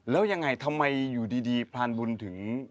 แล้วยังไงทำไมรับภาร์ดบุญถึง